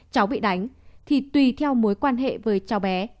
cháu bị đánh thì tùy theo mối quan hệ với cháu bé